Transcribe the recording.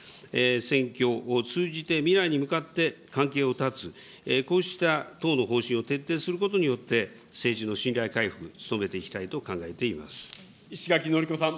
選挙を通じて未来に向かって関係を断つ、こうした党の方針を徹底することによって、政治の信頼回復、石垣のりこさん。